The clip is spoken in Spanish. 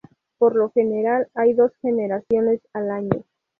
Por lo general hay dos generaciones al año.